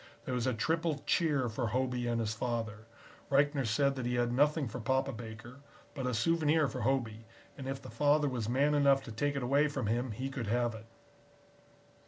There was a triple cheer for Hobey and his father. Reichner said that he had nothing for Papa Baker, but a souvenir for Hobey, and if the father was man enough to take it away from him he could have it.